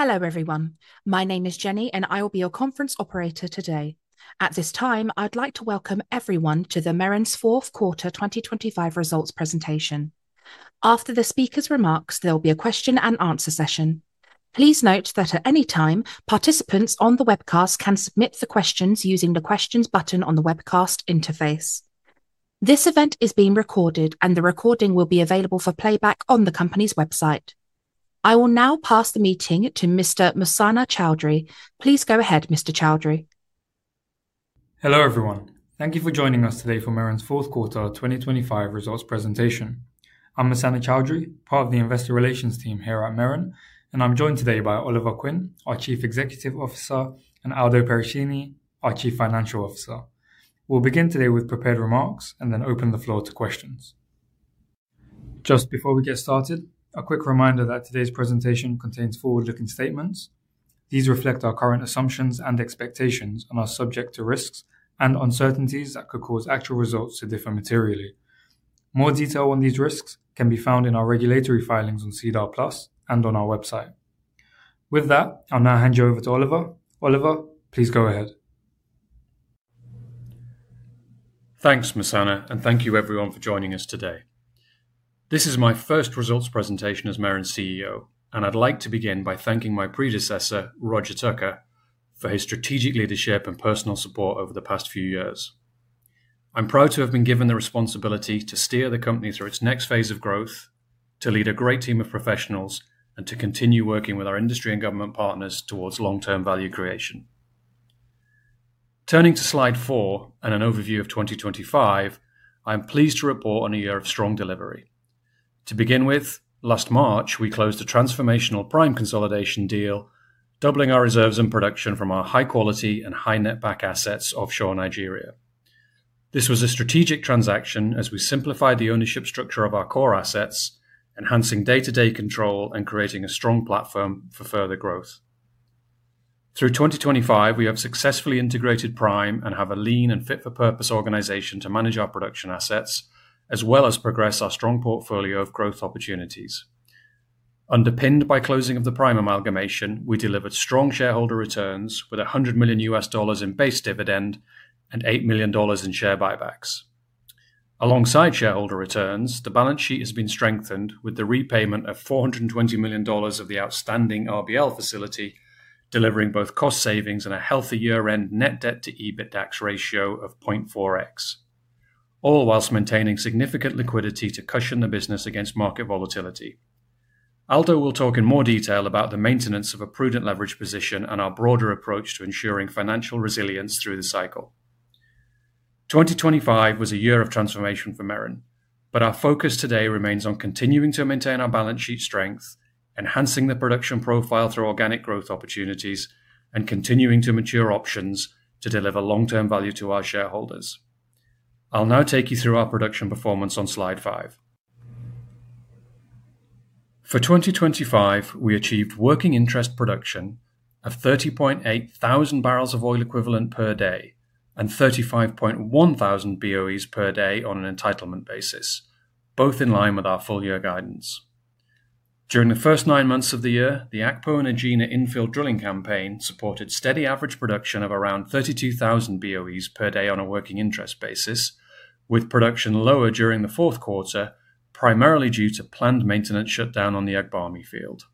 Hello, everyone. My name is Jenny, and I will be your conference operator today. At this time, I'd like to welcome everyone to the Meren Energy's fourth quarter 2025 results presentation. After the speaker's remarks, there will be a question and answer session. Please note that at any time, participants on the webcast can submit the questions using the Questions button on the webcast interface. This event is being recorded, and the recording will be available for playback on the company's website. I will now pass the meeting to Mr. Mussanah Chowdhury. Please go ahead, Mr. Chowdhury. Hello, everyone. Thank you for joining us today for Meren's fourth quarter 2025 results presentation. I'm Mussanah Chowdhury, part of the investor relations team here at Meren, and I'm joined today by Oliver Quinn, our Chief Executive Officer, and Aldo Perracini, our Chief Financial Officer. We'll begin today with prepared remarks and then open the floor to questions. Just before we get started, a quick reminder that today's presentation contains forward-looking statements. These reflect our current assumptions and expectations and are subject to risks and uncertainties that could cause actual results to differ materially. More detail on these risks can be found in our regulatory filings on SEDAR+ and on our website. With that, I'll now hand you over to Oliver. Oliver, please go ahead. Thanks, Mussanah, thank you everyone for joining us today. This is my first results presentation as Meren's CEO, and I'd like to begin by thanking my predecessor, Roger Tucker, for his strategic leadership and personal support over the past few years. I'm proud to have been given the responsibility to steer the company through its next phase of growth, to lead a great team of professionals, and to continue working with our industry and government partners towards long-term value creation. Turning to slide four and an overview of 2025, I'm pleased to report on a year of strong delivery. To begin with, last March, we closed a transformational Prime consolidation deal, doubling our reserves and production from our high quality and high net back assets offshore Nigeria. This was a strategic transaction as we simplified the ownership structure of our core assets, enhancing day-to-day control and creating a strong platform for further growth. Through 2025, we have successfully integrated Prime and have a lean and fit-for-purpose organization to manage our production assets, as well as progress our strong portfolio of growth opportunities. Underpinned by closing of the Prime amalgamation, we delivered strong shareholder returns with $100 million in base dividend and $8 million in share buybacks. Alongside shareholder returns, the balance sheet has been strengthened with the repayment of $420 million of the outstanding RBL facility, delivering both cost savings and a healthy year-end net debt to EBITDAX ratio of 0.4x, all whilst maintaining significant liquidity to cushion the business against market volatility. Aldo will talk in more detail about the maintenance of a prudent leverage position and our broader approach to ensuring financial resilience through the cycle. 2025 was a year of transformation for Meren, but our focus today remains on continuing to maintain our balance sheet strength, enhancing the production profile through organic growth opportunities, and continuing to mature options to deliver long-term value to our shareholders. I'll now take you through our production performance on slide five. For 2025, we achieved working interest production of 30.8 thousand barrels of oil equivalent per day and 35.1 thousand BOEs per day on an entitlement basis, both in line with our full-year guidance. During the first nine months of the year, the Akpo and Egina infield drilling campaign supported steady average production of around 32,000 BOEs per day on a working interest basis, with production lower during the fourth quarter, primarily due to planned maintenance shutdown on the Agbami field.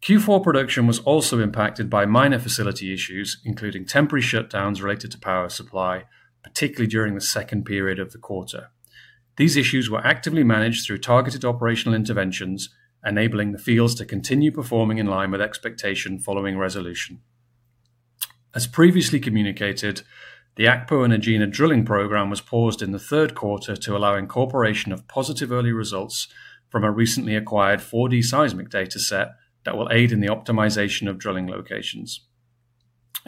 Q4 production was also impacted by minor facility issues, including temporary shutdowns related to power supply, particularly during the second period of the quarter. These issues were actively managed through targeted operational interventions, enabling the fields to continue performing in line with expectation following resolution. As previously communicated, the Akpo and Egina drilling program was paused in the third quarter to allow incorporation of positive early results from a recently acquired 4D seismic data set that will aid in the optimization of drilling locations.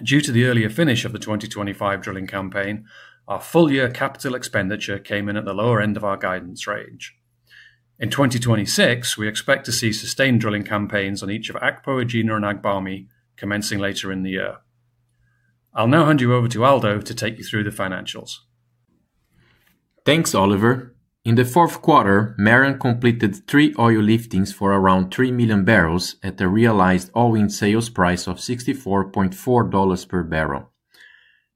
Due to the earlier finish of the 2025 drilling campaign, our full-year CapEx came in at the lower end of our guidance range. In 2026, we expect to see sustained drilling campaigns on each of Akpo, Egina, and Agbami commencing later in the year. I'll now hand you over to Aldo to take you through the financials. Thanks, Oliver. In the fourth quarter, Meren completed three oil liftings for around 3 million barrels at the realized all-in sales price of $64.4 per barrel.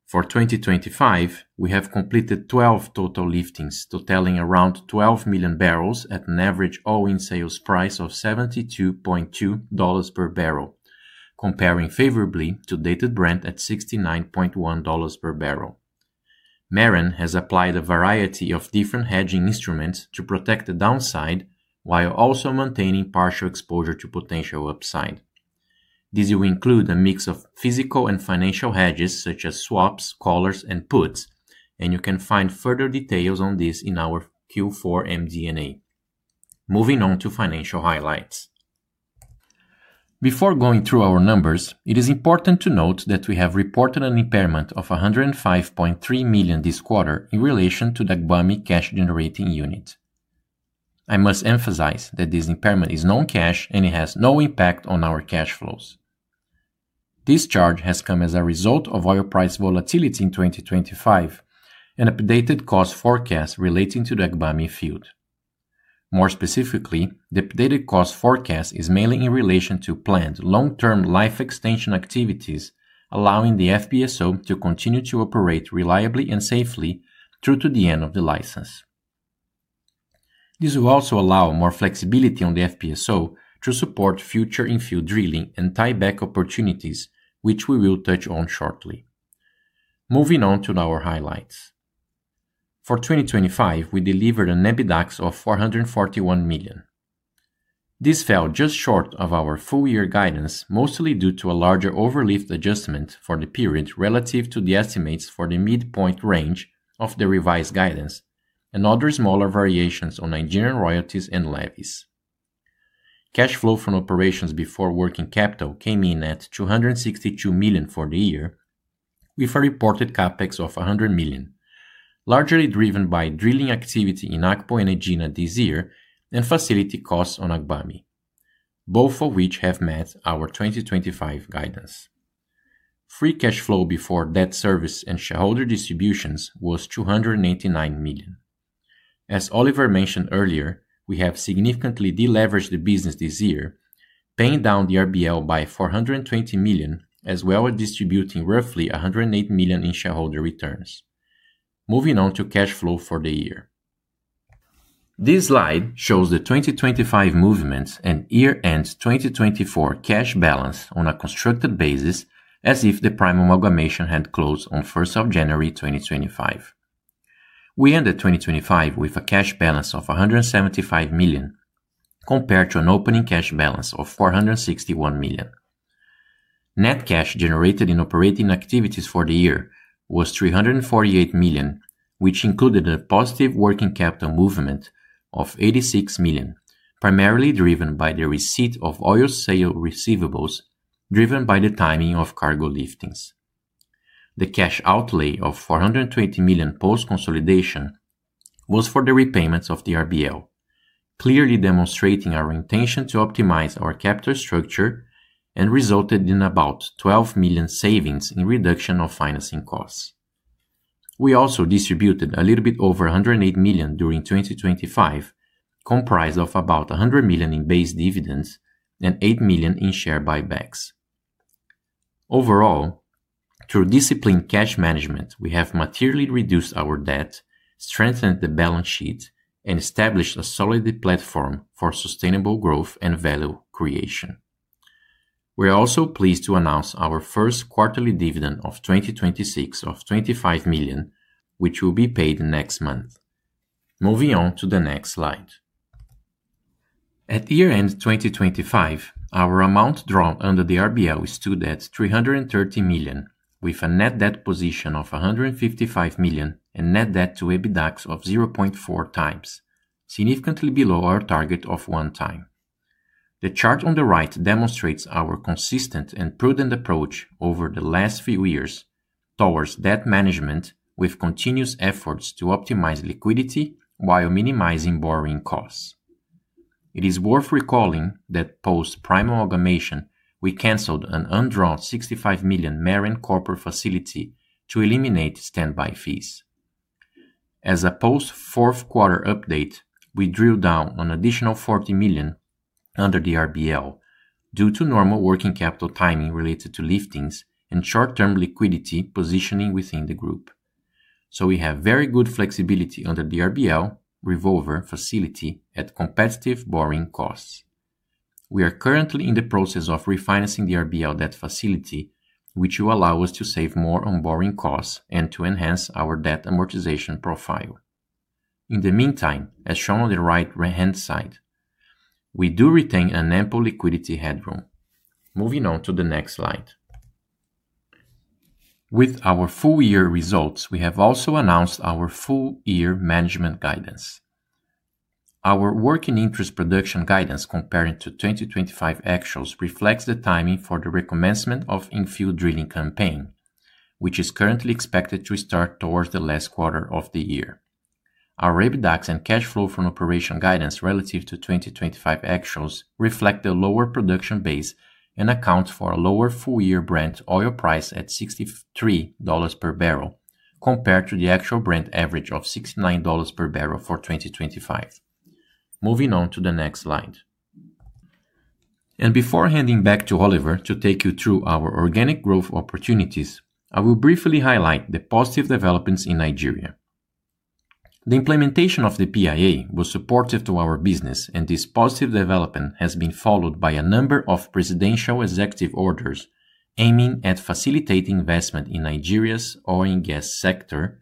For 2025, we have completed 12 total liftings, totaling around 12 million barrels at an average all-in sales price of $72.2 per barrel, comparing favorably to dated Brent at $69.1 per barrel. Meren has applied a variety of different hedging instruments to protect the downside, while also maintaining partial exposure to potential upside. These will include a mix of physical and financial hedges, such as swaps, callers, and puts, and you can find further details on this in our Q4 MD&A. Moving on to financial highlights. Before going through our numbers, it is important to note that we have reported an impairment of $105.3 million this quarter in relation to the Agbami cash-generating unit. I must emphasize that this impairment is non-cash and it has no impact on our cash flows. This charge has come as a result of oil price volatility in 2025, and updated cost forecast relating to the Agbami field. More specifically, the updated cost forecast is mainly in relation to planned long-term life extension activities, allowing the FPSO to continue to operate reliably and safely through to the end of the license. This will also allow more flexibility on the FPSO to support future in-field drilling and tie back opportunities, which we will touch on shortly. Moving on to our highlights. For 2025, we delivered an EBITDAX of $441 million. This fell just short of our full year guidance, mostly due to a larger overlift adjustment for the period relative to the estimates for the midpoint range of the revised guidance and other smaller variations on Nigerian royalties and levies. Cash flow from operations before working capital came in at $262 million for the year, with a reported CapEx of $100 million, largely driven by drilling activity in Akpo and Egina this year, and facility costs on Agbami, both of which have met our 2025 guidance. Free cash flow before debt service and shareholder distributions was $289 million. As Oliver mentioned earlier, we have significantly de-leveraged the business this year, paying down the RBL by $420 million, as well as distributing roughly $108 million in shareholder returns. Moving on to cash flow for the year. This slide shows the 2025 movements and year-end 2024 cash balance on a constructed basis as if the Prime amalgamation had closed on January 1st, 2025. We ended 2025 with a cash balance of $175 million, compared to an opening cash balance of $461 million. Net cash generated in operating activities for the year was $348 million, which included a positive working capital movement of $86 million, primarily driven by the receipt of oil sale receivables, driven by the timing of cargo liftings. The cash outlay of $420 million post-consolidation was for the repayments of the RBL, clearly demonstrating our intention to optimize our capital structure and resulted in about $12 million savings in reduction of financing costs. We also distributed a little bit over $108 million during 2025, comprised of about $100 million in base dividends and $8 million in share buybacks. Overall, through disciplined cash management, we have materially reduced our debt, strengthened the balance sheet, and established a solid platform for sustainable growth and value creation. We are also pleased to announce our first quarterly dividend of 2026 of $25 million, which will be paid next month. Moving on to the next slide. At year-end 2025, our amount drawn under the RBL stood at $330 million, with a net debt position of $155 million, and net debt to EBITDAX of 0.4 times, significantly below our target of one time. The chart on the right demonstrates our consistent and prudent approach over the last few years towards debt management, with continuous efforts to optimize liquidity while minimizing borrowing costs. It is worth recalling that post-Prime amalgamation, we canceled an undrawn $65 million Meren Corporate facility to eliminate standby fees. As a post-fourth quarter update, we drill down an additional $40 million under the RBL due to normal working capital timing related to liftings and short-term liquidity positioning within the group. We have very good flexibility under the RBL revolver facility at competitive borrowing costs. We are currently in the process of refinancing the RBL debt facility, which will allow us to save more on borrowing costs and to enhance our debt amortization profile. In the meantime, as shown on the right-hand side, we do retain an ample liquidity headroom. Moving on to the next slide. With our full year results, we have also announced our full year management guidance. Our work in interest production guidance comparing to 2025 actuals, reflects the timing for the commencement of in-field drilling campaign, which is currently expected to start towards the last quarter of the year. Our EBITDAX and cash flow from operation guidance relative to 2025 actuals reflect the lower production base and account for a lower full-year Brent oil price at $63 per barrel, compared to the actual Brent average of $69 per barrel for 2025. Moving on to the next slide. Before handing back to Oliver to take you through our organic growth opportunities, I will briefly highlight the positive developments in Nigeria. The implementation of the PIA was supportive to our business, and this positive development has been followed by a number of presidential executive orders aiming at facilitating investment in Nigeria's oil and gas sector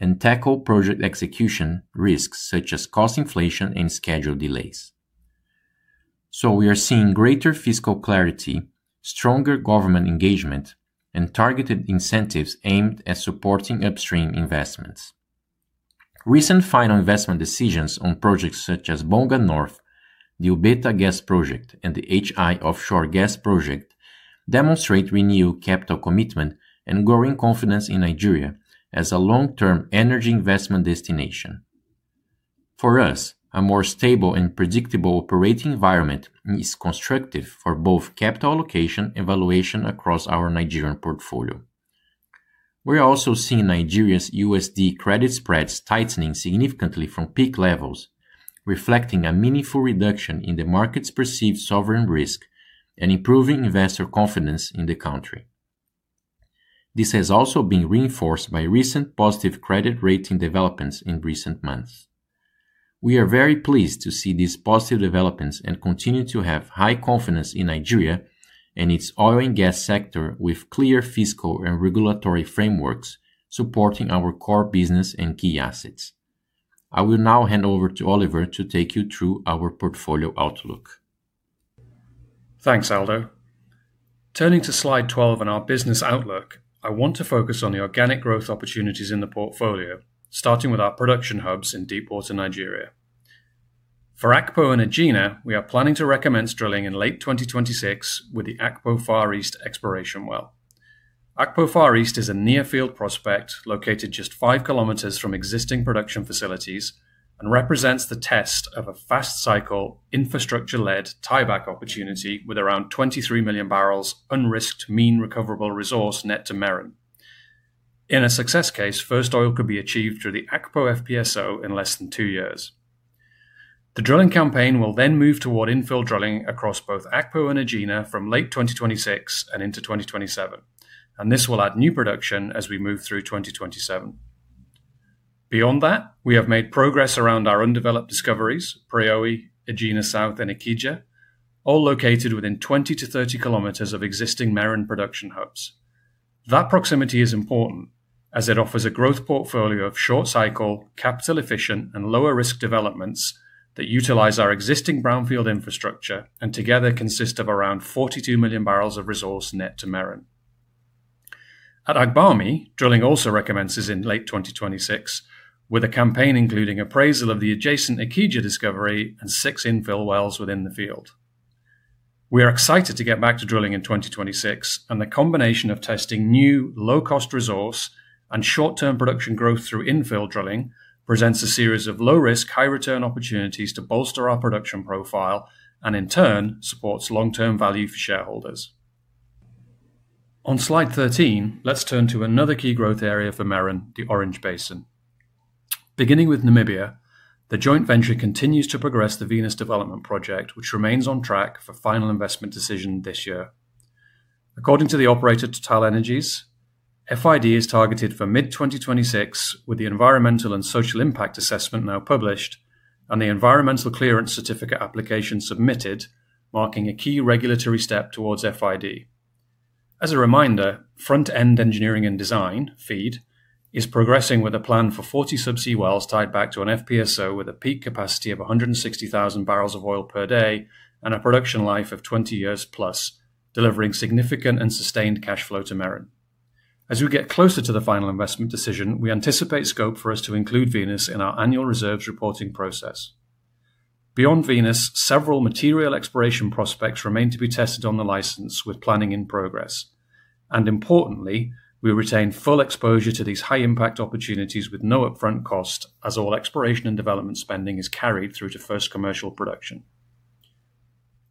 and tackle project execution risks, such as cost inflation and schedule delays. We are seeing greater fiscal clarity, stronger government engagement, and targeted incentives aimed at supporting upstream investments. Recent final investment decisions on projects such as Bonga North, the Ubeta gas project, and the HI Offshore gas project, demonstrate renewed capital commitment and growing confidence in Nigeria as a long-term energy investment destination. For us, a more stable and predictable operating environment is constructive for both capital allocation and valuation across our Nigerian portfolio. We are also seeing Nigeria's USD credit spreads tightening significantly from peak levels, reflecting a meaningful reduction in the market's perceived sovereign risk and improving investor confidence in the country. This has also been reinforced by recent positive credit rating developments in recent months. We are very pleased to see these positive developments and continue to have high confidence in Nigeria and its oil and gas sector, with clear fiscal and regulatory frameworks supporting our core business and key assets. I will now hand over to Oliver to take you through our portfolio outlook. Thanks, Aldo. Turning to slide 12 and our business outlook, I want to focus on the organic growth opportunities in the portfolio, starting with our production hubs in deep water Nigeria. For Akpo and Egina, we are planning to recommend drilling in late 2026 with the Akpo Far East exploration well. Akpo Far East is a near field prospect, located just 5 km from existing production facilities, and represents the test of a fast cycle, infrastructure-led tieback opportunity with around 23 million barrels unrisked mean recoverable resource net to Meren. In a success case, first oil could be achieved through the Akpo FPSO in less than two years. The drilling campaign will then move toward infill drilling across both Akpo and Egina from late 2026 and into 2027. This will add new production as we move through 2027. Beyond that, we have made progress around our undeveloped discoveries, Preowei, Egina South, and Ikija, all located within 20-30 km of existing Meren production hubs. That proximity is important as it offers a growth portfolio of short cycle, capital efficient, and lower risk developments that utilize our existing brownfield infrastructure, and together consist of around 42 million barrels of resource net to Meren. At Agbami, drilling also recommences in late 2026, with a campaign including appraisal of the adjacent Ikija discovery and six infill wells within the field. We are excited to get back to drilling in 2026. The combination of testing new low-cost resource and short-term production growth through infill drilling presents a series of low risk, high return opportunities to bolster our production profile, and in turn, supports long-term value for shareholders. On slide 13, let's turn to another key growth area for Meren, the Orange Basin. Beginning with Namibia, the joint venture continues to progress the Venus Development Project, which remains on track for final investment decision this year. According to the operator, TotalEnergies, FID is targeted for mid-2026, with the environmental and social impact assessment now published and the environmental clearance certificate application submitted, marking a key regulatory step towards FID. As a reminder, front-end engineering and design, FEED, is progressing with a plan for 40 subsea wells tied back to an FPSO with a peak capacity of 160,000 barrels of oil per day and a production life of 20 years plus, delivering significant and sustained cash flow to Meren. As we get closer to the final investment decision, we anticipate scope for us to include Venus in our annual reserves reporting process. Beyond Venus, several material exploration prospects remain to be tested on the license with planning in progress, and importantly, we retain full exposure to these high-impact opportunities with no upfront cost, as all exploration and development spending is carried through to first commercial production.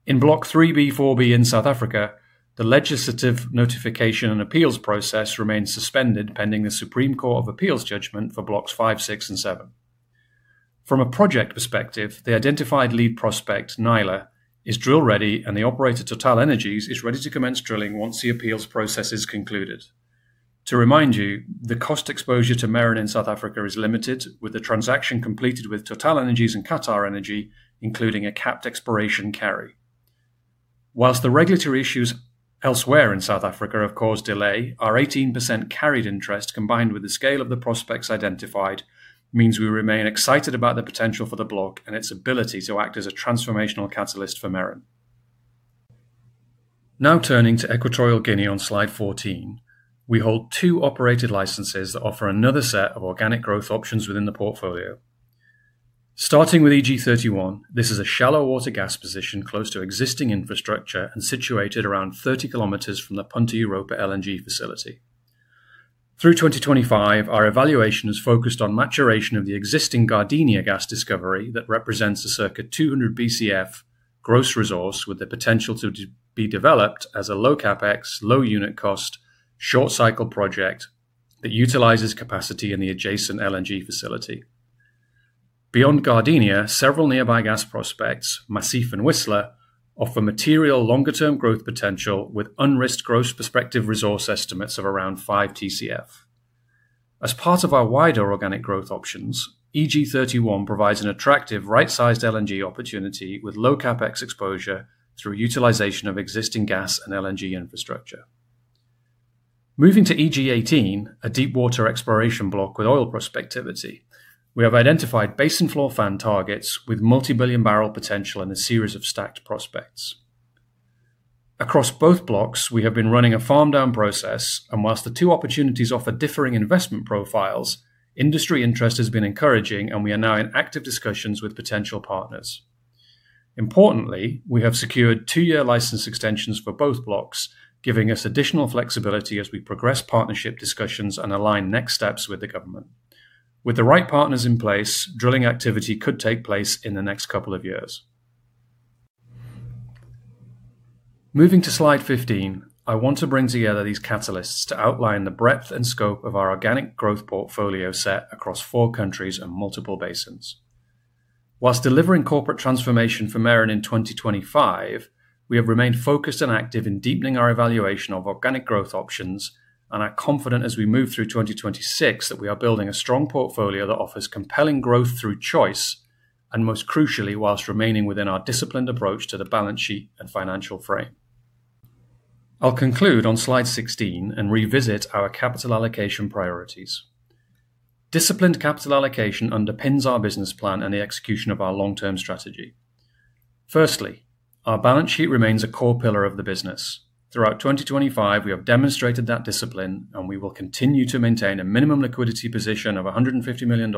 In Block 3B/4B in South Africa, the legislative notification and appeals process remains suspended pending the Supreme Court of Appeals judgment for Blocks five, six, and seven. From a project perspective, the identified lead prospect, Naila, is drill ready, and the operator, TotalEnergies, is ready to commence drilling once the appeals process is concluded. To remind you, the cost exposure to Meren in South Africa is limited, with the transaction completed with TotalEnergies and QatarEnergy, including a capped exploration carry. Whilst the regulatory issues elsewhere in South Africa have caused delay, our 18% carried interest, combined with the scale of the prospects identified, means we remain excited about the potential for the block and its ability to act as a transformational catalyst for Meren. Turning to Equatorial Guinea on slide 14, we hold two operated licenses that offer another set of organic growth options within the portfolio. Starting with EG-31, this is a shallow water gas position, close to existing infrastructure and situated around 30 km from the Punta Europa LNG facility. Through 2025, our evaluation is focused on maturation of the existing Gardenia gas discovery that represents a circa 200 BCF gross resource, with the potential to be developed as a low CapEx, low unit cost, short cycle project that utilizes capacity in the adjacent LNG facility. Beyond Gardenia, several nearby gas prospects, Massif and Whistler, offer material longer-term growth potential with unrisked gross prospective resource estimates of around five TCF. As part of our wider organic growth options, EG-31 provides an attractive right-sized LNG opportunity with low CapEx exposure through utilization of existing gas and LNG infrastructure. Moving to EG-18, a deepwater exploration block with oil prospectivity, we have identified basin floor fan targets with multi-billion barrel potential in a series of stacked prospects. Across both blocks, we have been running a farm-down process, and whilst the two opportunities offer differing investment profiles, industry interest has been encouraging, and we are now in active discussions with potential partners. Importantly, we have secured two-year license extensions for both blocks, giving us additional flexibility as we progress partnership discussions and align next steps with the government. With the right partners in place, drilling activity could take place in the next couple of years. Moving to slide 15, I want to bring together these catalysts to outline the breadth and scope of our organic growth portfolio set across four countries and multiple basins. Whilst delivering corporate transformation for Meren in 2025, we have remained focused and active in deepening our evaluation of organic growth options. Are confident as we move through 2026 that we are building a strong portfolio that offers compelling growth through choice. Most crucially, whilst remaining within our disciplined approach to the balance sheet and financial frame. I'll conclude on slide 16. Revisit our capital allocation priorities. Disciplined capital allocation underpins our business plan and the execution of our long-term strategy. Firstly, our balance sheet remains a core pillar of the business. Throughout 2025, we have demonstrated that discipline. We will continue to maintain a minimum liquidity position of $150 million,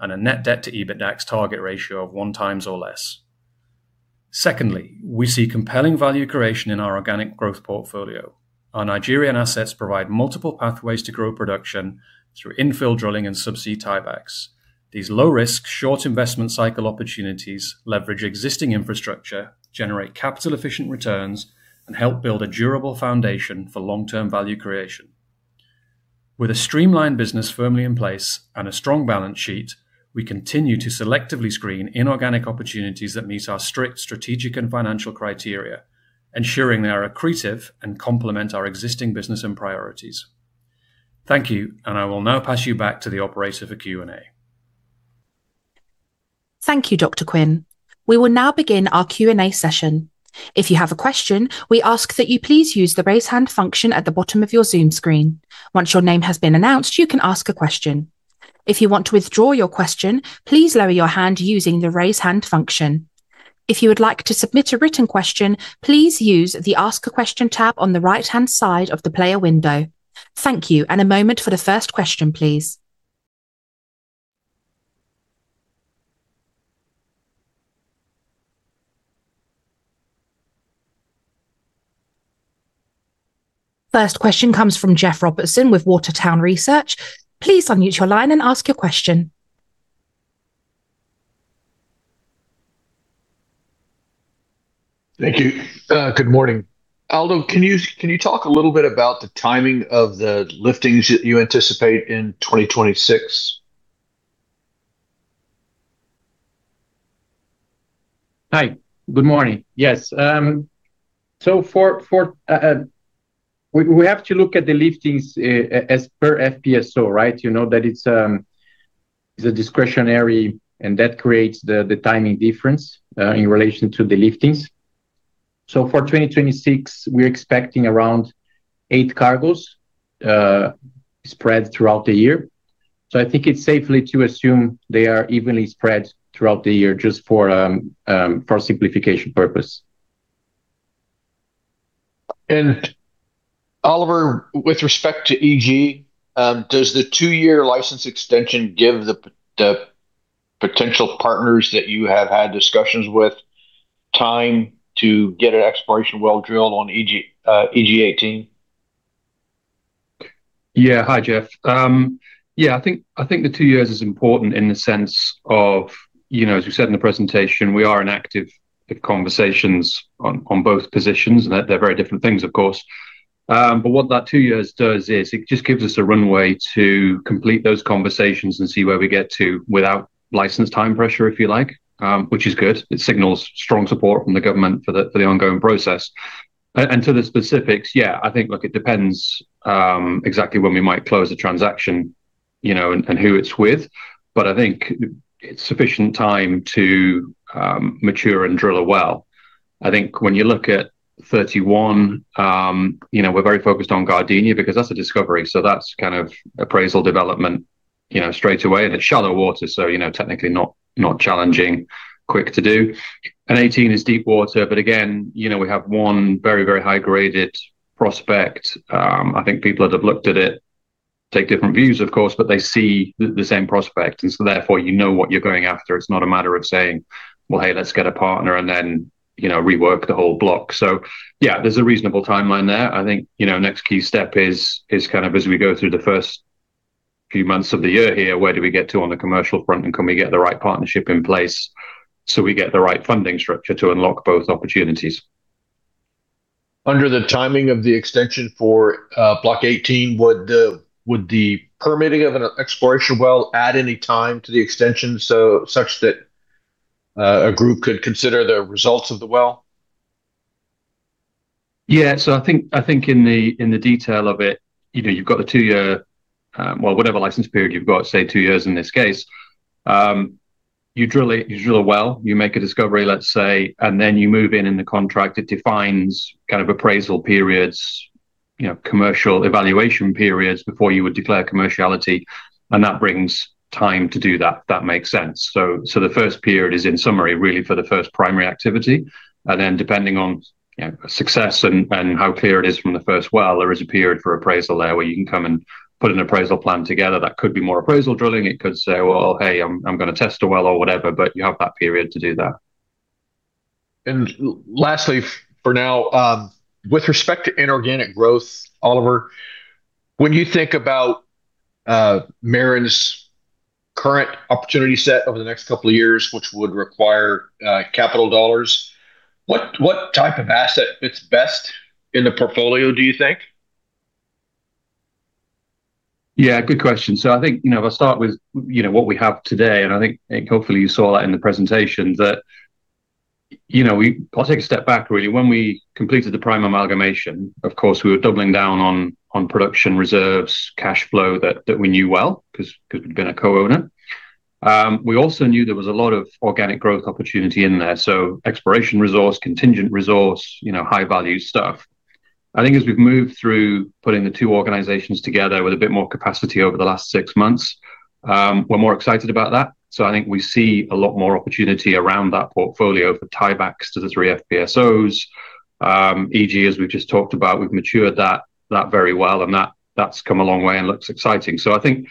and a net debt to EBITDAX target ratio of one time or less. Secondly, we see compelling value creation in our organic growth portfolio. Our Nigerian assets provide multiple pathways to grow production through infill drilling and subsea tiebacks. These low-risk, short investment cycle opportunities leverage existing infrastructure, generate capital efficient returns, and help build a durable foundation for long-term value creation. With a streamlined business firmly in place and a strong balance sheet, we continue to selectively screen inorganic opportunities that meet our strict strategic and financial criteria, ensuring they are accretive and complement our existing business and priorities. Thank you. I will now pass you back to the operator for Q&A. Thank you, Dr. Quinn. We will now begin our Q&A session. If you have a question, we ask that you please use the Raise Hand function at the bottom of your Zoom screen. Once your name has been announced, you can ask a question. If you want to withdraw your question, please lower your hand using the Raise Hand function. If you would like to submit a written question, please use the Ask a Question tab on the right-hand side of the player window. Thank you, and a moment for the first question, please. First question comes from Jeff Robertson with Water Tower Research. Please unmute your line and ask your question. Thank you. Good morning. Aldo, can you talk a little bit about the timing of the liftings that you anticipate in 2026? Hi, good morning. Yes, so for. We have to look at the liftings as per FPSO, right? You know, that it's a discretionary, and that creates the timing difference in relation to the liftings. For 2026, we're expecting around eight cargos spread throughout the year. I think it's safely to assume they are evenly spread throughout the year just for simplification purpose. Oliver, with respect to EG, does the two-year license extension give the potential partners that you have had discussions with time to get an exploration well drilled on EG 18? Hi, Jeff. Yeah, I think the two years is important in the sense of, you know, as we said in the presentation, we are in active conversations on both positions, and they're very different things, of course. What that two years does is, it just gives us a runway to complete those conversations and see where we get to without license time pressure, if you like, which is good. It signals strong support from the government for the ongoing process. To the specifics, yeah, I think, look, it depends exactly when we might close the transaction, you know, and who it's with, but I think it's sufficient time to mature and drill a well. I think when you look at 31, you know, we're very focused on Gardenia because that's a discovery, so that's kind of appraisal development, you know, straight away, and it's shallow water, so, you know, technically not challenging, quick to do. 18 is deep water, but again, you know, we have one very high-graded prospect. I think people that have looked at it take different views, of course, but they see the same prospect, and so therefore, you know what you're going after. It's not a matter of saying, "Well, hey, let's get a partner and then, you know, rework the whole block." Yeah, there's a reasonable timeline there. I think, you know, next key step is kind of as we go through the first few months of the year here, where do we get to on the commercial front, and can we get the right partnership in place so we get the right funding structure to unlock both opportunities? Under the timing of the extension for Block 18, would the permitting of an exploration well add any time to the extension, such that a group could consider the results of the well? Yeah, I think in the detail of it, you know, you've got the two-year, well, whatever license period you've got, say, two years in this case. You drill a well, you make a discovery, let's say, and then you move in, and the contract, it defines kind of appraisal periods, you know, commercial evaluation periods before you would declare commerciality, and that brings time to do that. That makes sense. The first period is, in summary, really for the first primary activity, and then depending on, you know, success and how clear it is from the first well, there is a period for appraisal there where you can come and put an appraisal plan together. That could be more appraisal drilling. It could say, "Well, hey, I'm gonna test a well or whatever," but you have that period to do that. Lastly, for now, with respect to inorganic growth, Oliver, when you think about Meren's current opportunity set over the next couple of years, which would require capital dollars, what type of asset fits best in the portfolio, do you think? Good question. I think, you know, if I start with, you know, what we have today, and I think hopefully you saw that in the presentation, that, you know, I'll take a step back, really. When we completed the Prime amalgamation, of course, we were doubling down on production reserves, cash flow that we knew well, 'cause we'd been a co-owner. We also knew there was a lot of organic growth opportunity in there. Exploration resource, contingent resource, you know, high-value stuff. I think as we've moved through putting the two organizations together with a bit more capacity over the last six months, we're more excited about that. I think we see a lot more opportunity around that portfolio for tiebacks to the three FPSOs. Egina, as we've just talked about, we've matured that very well, and that's come a long way and looks exciting. I think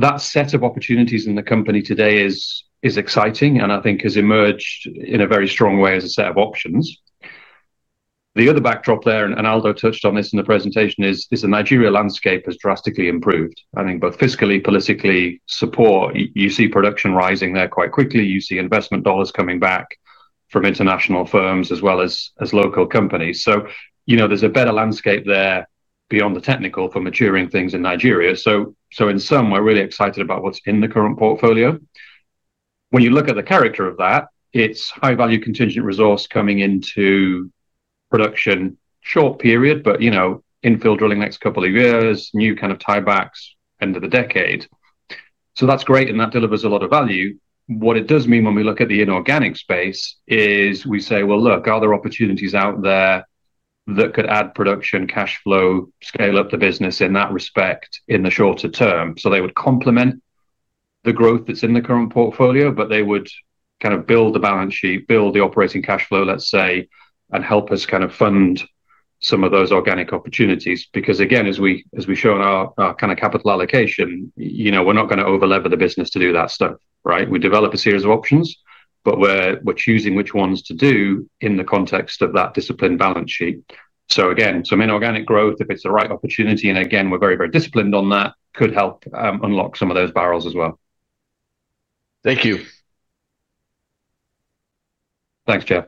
that set of opportunities in the company today is exciting, and I think has emerged in a very strong way as a set of options. The other backdrop there, and Aldo touched on this in the presentation, is the Nigeria landscape has drastically improved. I think both fiscally, politically, support, you see production rising there quite quickly. You see investment dollars coming back from international firms as well as local companies. You know, there's a better landscape there beyond the technical for maturing things in Nigeria. In some, we're really excited about what's in the current portfolio. When you look at the character of that, it's high-value contingent resource coming into production, short period, but, you know, infill drilling next couple of years, new kind of tiebacks end of the decade. That's great, and that delivers a lot of value. What it does mean when we look at the inorganic space is we say: Well, look, are there opportunities out there that could add production, cash flow, scale up the business in that respect, in the shorter term? They would complement the growth that's in the current portfolio, but they would kind of build the balance sheet, build the operating cash flow, let's say, and help us kind of fund some of those organic opportunities. Again, as we've shown our kind of capital allocation, you know, we're not gonna overlever the business to do that stuff, right? We develop a series of options, but we're choosing which ones to do in the context of that disciplined balance sheet. Again, some inorganic growth, if it's the right opportunity, and again, we're very, very disciplined on that, could help unlock some of those barrels as well. Thank you. Thanks, Jeff.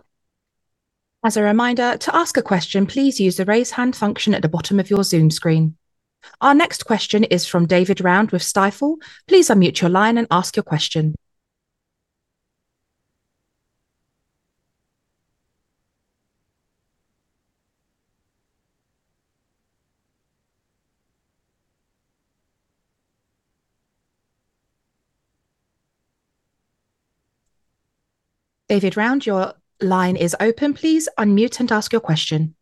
As a reminder, to ask a question, please use the Raise Hand function at the bottom of your Zoom screen. Our next question is from David Round with Stifel. Please unmute your line and ask your question. David Round, your line is open. Please unmute and ask your question.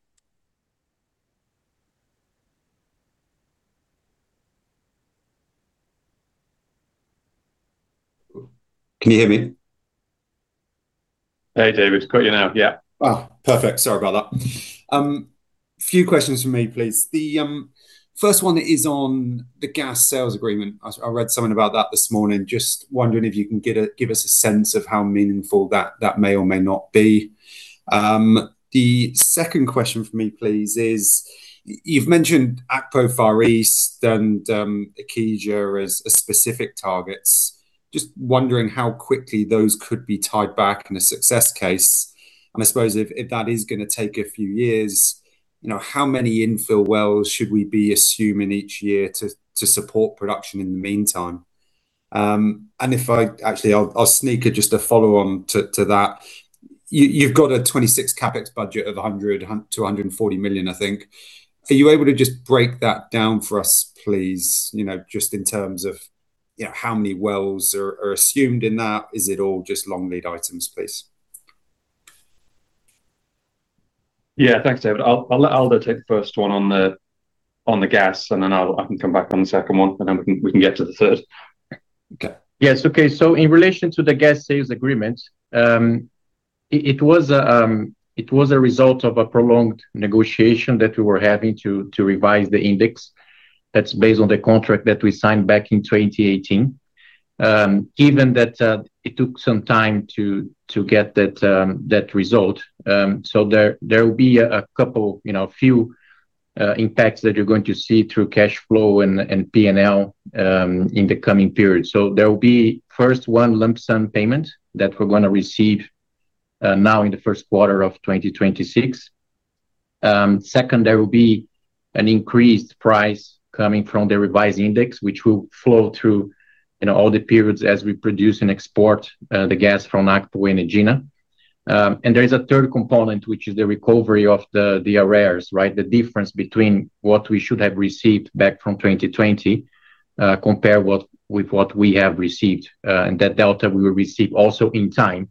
Can you hear me? Hey, David. Got you now. Yeah. Oh, perfect. Sorry about that. A few questions from me, please. The first one is on the gas sales agreement. I read something about that this morning. Just wondering if you can give us a sense of how meaningful that may or may not be. The second question for me, please, is you've mentioned Akpo Far East and Ikija as specific targets. Just wondering how quickly those could be tied back in a success case. I suppose if that is gonna take a few years, you know, how many infill wells should we be assuming each year to support production in the meantime? Actually, I'll sneak in just a follow-on to that. You've got a 2026 CapEx budget of $100 million-$140 million, I think. Are you able to just break that down for us, please? You know, just in terms of, you know, how many wells are assumed in that. Is it all just long-lead items, please? Thanks, David. I'll let Aldo take the first one on the gas, and then I can come back on the second one, and then we can get to the third. Okay. Yes, okay. In relation to the gas sales agreement, it was a result of a prolonged negotiation that we were having to revise the index. That's based on the contract that we signed back in 2018. Given that it took some time to get that result, there will be a couple, you know, few impacts that you're going to see through cash flow and PNL in the coming period. There will be, first, one lump sum payment that we're gonna receive now in the first quarter of 2026. Second, there will be an increased price coming from the revised index, which will flow through, you know, all the periods as we produce and export the gas from Akpo and Egina. There is a third component, which is the recovery of the arrears, right? The difference between what we should have received back from 2020, compare with what we have received. That delta we will receive also in time,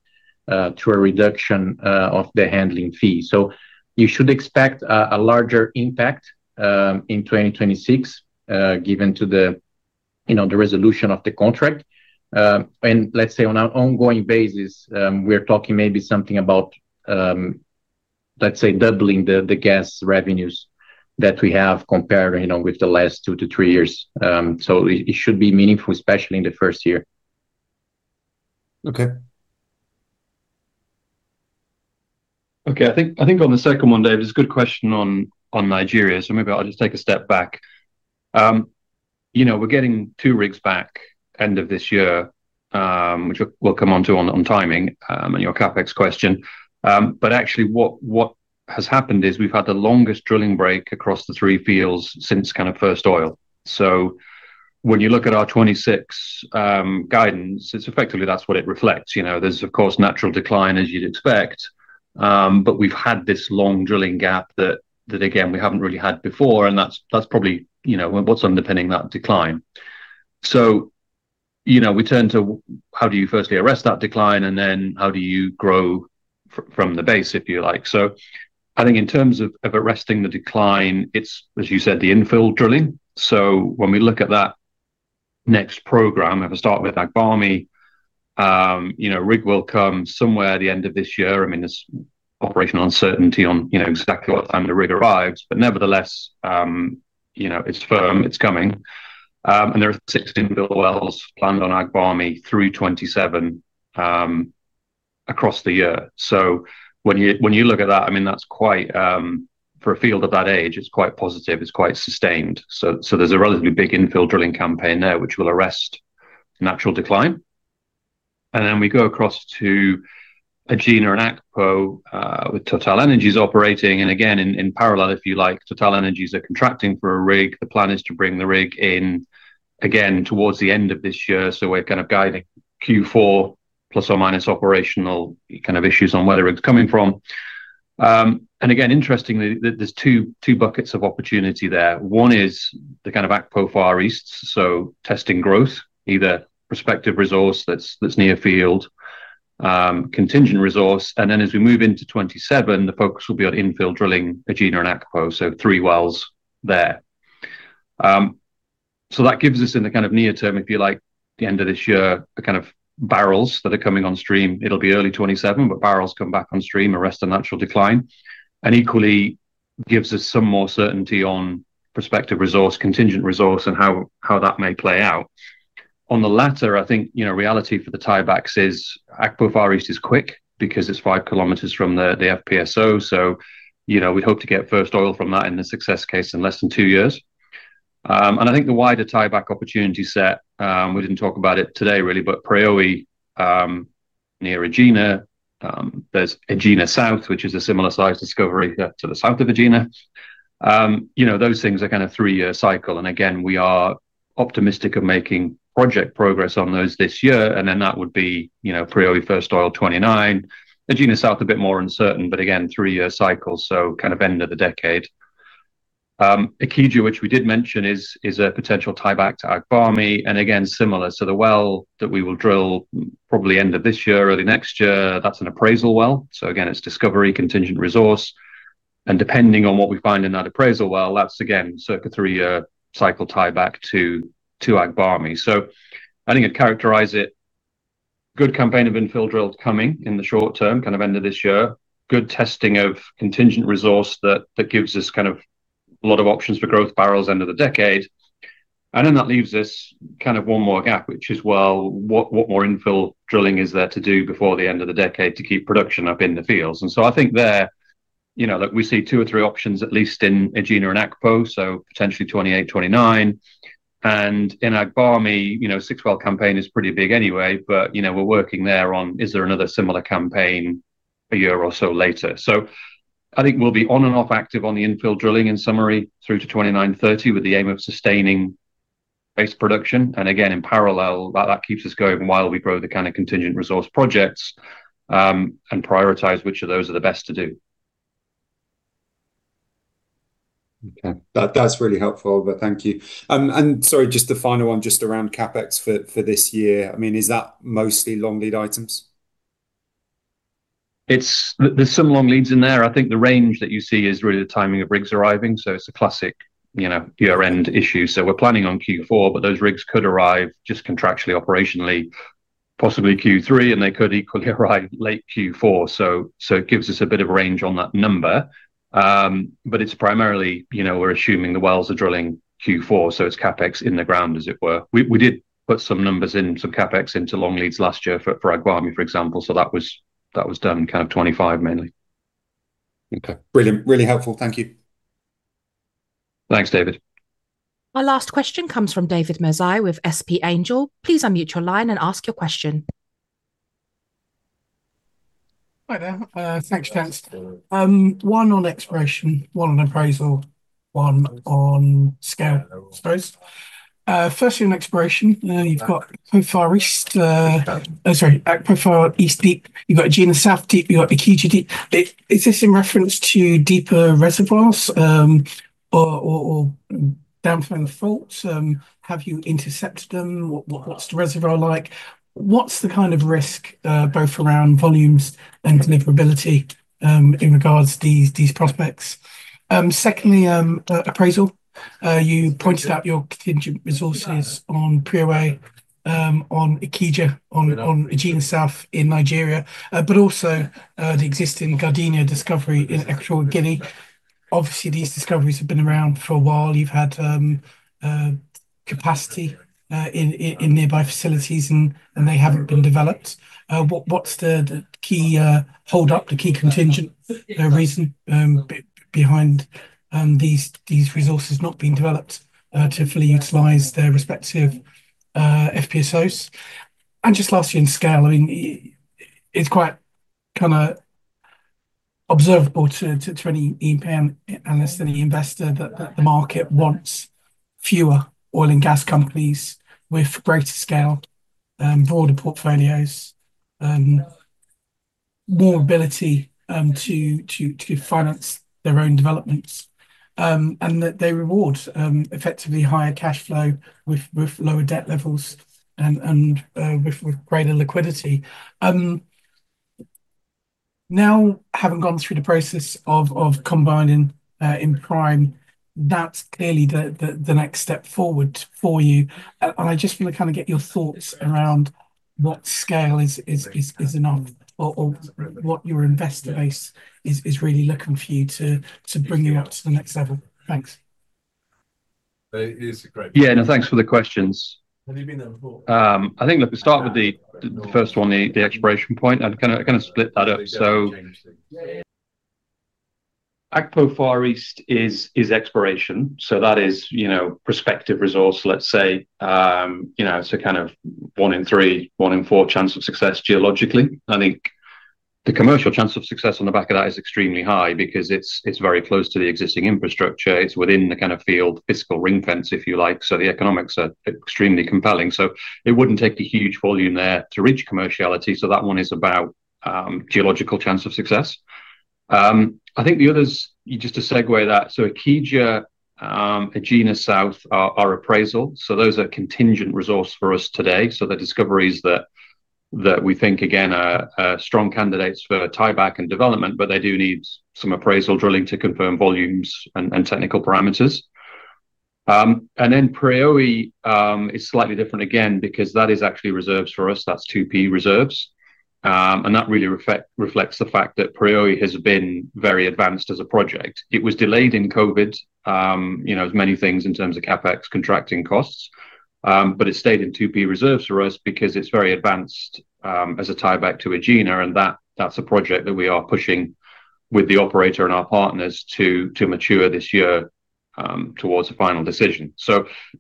through a reduction of the handling fee. You should expect a larger impact in 2026, given to the, you know, the resolution of the contract. Let's say on an ongoing basis, we're talking maybe something about, doubling the gas revenues that we have compared, you know, with the last two-three years. It should be meaningful, especially in the first year. Okay. I think on the second one, David, it's a good question on Nigeria, maybe I'll just take a step back. You know, we're getting two rigs back end of this year, which we'll come onto on timing, and your CapEx question. Actually, what has happened is we've had the longest drilling break across the three fields since kind of first oil. When you look at our 2026 guidance, it's effectively that's what it reflects. You know, there's of course, natural decline, as you'd expect, we've had this long drilling gap that again, we haven't really had before, and that's probably, you know, what's underpinning that decline. You know, we turn to how do you firstly arrest that decline, and then how do you grow from the base, if you like? I think in terms of arresting the decline, it's, as you said, the infill drilling. When we look at that next program, if I start with Agbami, you know, rig will come somewhere at the end of this year. I mean, there's operational uncertainty on, you know, exactly what time the rig arrives, but nevertheless, you know, it's firm, it's coming. There are 16 wells planned on Agbami through 2027 across the year. When you, when you look at that, I mean, that's quite, for a field at that age, it's quite positive, it's quite sustained. There's a relatively big infill drilling campaign there, which will arrest natural decline. Then we go across to Egina and Akpo with TotalEnergies operating. Again, in parallel, if you like, TotalEnergies are contracting for a rig. The plan is to bring the rig in again towards the end of this year, so we're kind of guiding Q4 plus or minus operational kind of issues on where the rig's coming from. Again, interestingly, there's two buckets of opportunity there. One is the kind of Akpo Far East, so testing growth, either prospective resource that's near field, contingent resource. Then as we move into 2027, the focus will be on infill drilling, Egina and Akpo, so three wells there. That gives us in the kind of near term, if you like, the end of this year, the kind of barrels that are coming on stream. It'll be early 2027, but barrels come back on stream, arrest a natural decline, and equally gives us some more certainty on prospective resource, contingent resource, and how that may play out. On the latter, I think, you know, reality for the tiebacks is Akpo Far East is quick because it's 5 km from the FPSO. you know, we hope to get first oil from that in the success case in less than two years. I think the wider tieback opportunity set, we didn't talk about it today, really, but Preowei, near Egina. there's Egina South, which is a similar size discovery to the south of Egina. you know, those things are kind of three-year cycle. We are optimistic of making project progress on those this year, and then that would be, you know, Preowei first oil 2029. Egina South, a bit more uncertain, three-year cycle, so kind of end of the decade. Ikija, which we did mention, is a potential tieback to Agbami, similar. The well that we will drill probably end of this year or the next year, that's an appraisal well. Again, it's discovery, contingent resource, and depending on what we find in that appraisal well, that's again, circa three-year cycle tieback to Agbami. I think I'd characterize it, good campaign of infill drills coming in the short term, kind of end of this year. Good testing of contingent resource that gives us kind of a lot of options for growth barrels end of the decade. Then that leaves us kind of one more gap, which is, well, what more infill drilling is there to do before the end of the decade to keep production up in the fields? I think there, you know, that we see two or three options, at least in Egina and Akpo, so potentially 28, 29. In Agbami, you know, a 6-well campaign is pretty big anyway, but, you know, we're working there on, is there another similar campaign a year or so later. I think we'll be on and off active on the infill drilling in summary, through to 2029, 2030, with the aim of sustaining base production, and again, in parallel, that keeps us going while we grow the kind of contingent resource projects, and prioritize which of those are the best to do. Okay. That's really helpful, but thank you. Sorry, just the final one, just around CapEx for this year. I mean, is that mostly long lead items? There's some long leads in there. I think the range that you see is really the timing of rigs arriving, so it's a classic, you know, year-end issue. We're planning on Q4, but those rigs could arrive just contractually, operationally, possibly Q3, and they could equally arrive late Q4. It gives us a bit of range on that number. But it's primarily, you know, we're assuming the wells are drilling Q4, so it's CapEx in the ground, as it were. We did put some numbers in, some CapEx into long leads last year for Agbami, for example, so that was done in kind of 2025, mainly. Okay. Brilliant. Really helpful. Thank you. Thanks, David. Our last question comes from David Mirzai with SP Angel. Please unmute your line and ask your question. Hi there. Thanks, guys. One on exploration, one on appraisal, one on scale, I suppose. Firstly, on exploration, you've got so far east, oh, sorry, Akpo Far East deep, you've got Egina South Deep, you got Ikija deep. Is this in reference to deeper reservoirs, or downfind faults? Have you intercepted them? What's the reservoir like? What's the kind of risk, both around volumes and deliverability, in regards to these prospects? Secondly, appraisal.... you pointed out your contingent resources on Preowei, on Ikija, on Egina South in Nigeria, but also, the existing Gardenia discovery in Equatorial Guinea. Obviously, these discoveries have been around for a while. You've had capacity in nearby facilities and they haven't been developed. What's the key hold up, the key contingent reason behind these resources not being developed to fully utilize their respective FPSOs? Just lastly, in scale, I mean, it's quite kinda observable to any E&P analyst and investor that the market wants fewer oil and gas companies with greater scale, broader portfolios, more ability to finance their own developments, and that they reward effectively higher cash flow with lower debt levels and with greater liquidity. Now, having gone through the process of combining in Prime, that's clearly the next step forward for you. I just want to kinda get your thoughts around what scale is enough, or what your investor base is really looking for you to bring you up to the next level? Thanks. Thanks for the questions. Have you been there before? I think, look, to start with the first one, the exploration point, I'd kinda split that up, so Akpo Far East is exploration, so that is, you know, prospective resource, let's say. You know, it's a kind of one in three, one in four chance of success geologically. I think the commercial chance of success on the back of that is extremely high because it's very close to the existing infrastructure. It's within the kind of field fiscal ring fence, if you like, so the economics are extremely compelling. It wouldn't take a huge volume there to reach commerciality, so that one is about geological chance of success. I think the others, just to segue that, Ikija, Egina South are appraisal, those are contingent resource for us today. They're discoveries that we think, again, are strong candidates for tieback and development, but they do need some appraisal drilling to confirm volumes and technical parameters. Then Preowei is slightly different again because that is actually reserves for us. That's 2P reserves, and that really reflects the fact that Preowei has been very advanced as a project. It was delayed in COVID, you know, as many things in terms of CapEx contracting costs, but it stayed in 2P reserves for us because it's very advanced, as a tieback to Egina, and that's a project that we are pushing with the operator and our partners to mature this year, towards a final decision.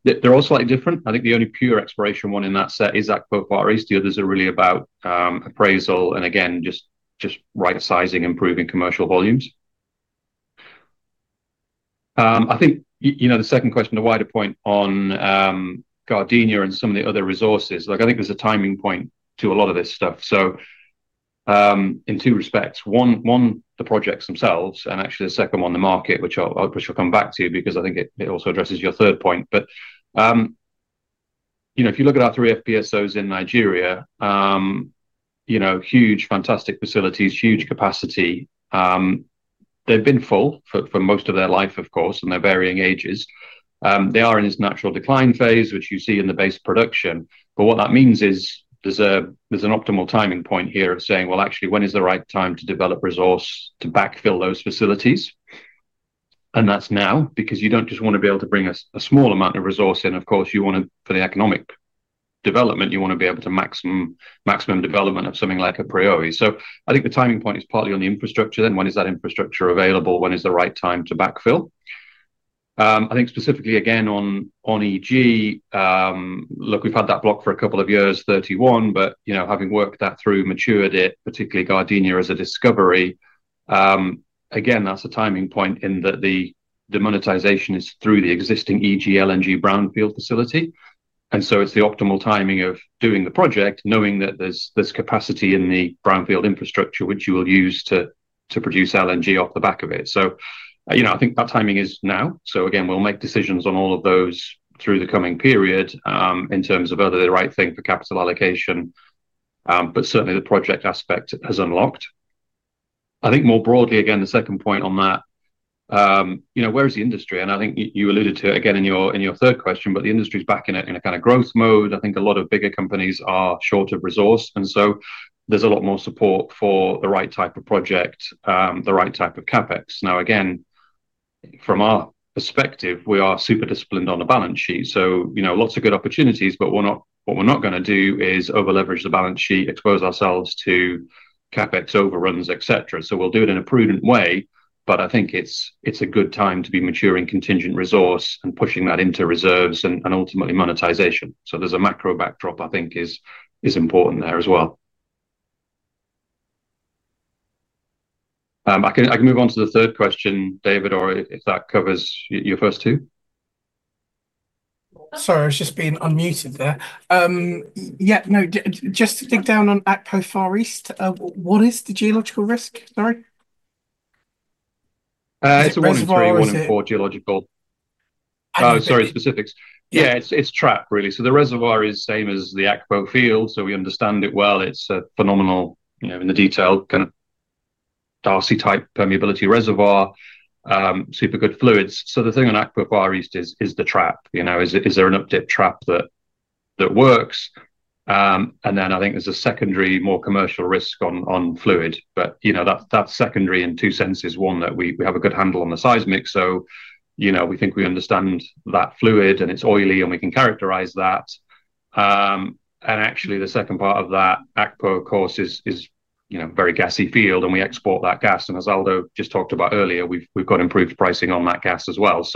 They're all slightly different. I think the only pure exploration one in that set is Akpo Far East. The others are really about appraisal, and again, just right sizing, improving commercial volumes. I think you know, the second question, the wider point on Gardenia and some of the other resources, like, I think there's a timing point to a lot of this stuff, in two respects. One, one, the projects themselves, actually the second one, the market, which I'll, which I'll come back to, because I think it also addresses your third point. You know, if you look at our three FPSOs in Nigeria, you know, huge, fantastic facilities, huge capacity. They've been full for most of their life, of course, and they're varying ages. They are in this natural decline phase, which you see in the base production. What that means is there's a, there's an optimal timing point here of saying, "Well, actually, when is the right time to develop resource to backfill those facilities?" That's now, because you don't just wanna be able to bring a small amount of resource in. Of course, you want to... For the economic development, you wanna be able to maximum development of something like a Preowei. I think the timing point is partly on the infrastructure, then when is that infrastructure available? When is the right time to backfill? I think specifically again on EG, look, we've had that block for a couple of years, 31, but, you know, having worked that through, matured it, particularly Gardenia as a discovery, again, that's a timing point in that the monetization is through the existing EG LNG brownfield facility. It's the optimal timing of doing the project, knowing that there's capacity in the brownfield infrastructure, which you will use to produce LNG off the back of it. You know, I think that timing is now. Again, we'll make decisions on all of those through the coming period, in terms of are they the right thing for capital allocation, but certainly the project aspect has unlocked. I think more broadly, again, the second point on that, you know, where is the industry? I think you alluded to it again in your, in your third question, but the industry's back in a, in a kind of growth mode. I think a lot of bigger companies are short of resource, and so there's a lot more support for the right type of project, the right type of CapEx. Again, from our perspective, we are super disciplined on the balance sheet, so, you know, lots of good opportunities, but what we're not gonna do is over-leverage the balance sheet, expose ourselves to CapEx overruns, et cetera. We'll do it in a prudent way, but I think it's a good time to be maturing contingent resource and pushing that into reserves and ultimately monetization. There's a macro backdrop I think is important there as well. I can move on to the third question, David, or if that covers your first two? Sorry, I was just being unmuted there. Yeah, no, just to dig down on Akpo Far East, what is the geological risk, sorry? It's a one in three. Reservoir, is it?... one in four geological. Oh, sorry, specifics. Yeah. Yeah, it's trap, really. The reservoir is same as the Akpo field, so we understand it well. It's a phenomenal, you know, in the detail, Darcy type permeability reservoir, super good fluids. The thing on Akpo Far East is the trap. You know, is there an uptick trap that works? I think there's a secondary, more commercial risk on fluid. You know, that's secondary in two senses. One, that we have a good handle on the seismic, so, you know, we think we understand that fluid, and it's oily, and we can characterize that. Actually, the second part of that Akpo, of course, is, you know, very gassy field, and we export that gas. As Aldo just talked about earlier, we've got improved pricing on that gas as well.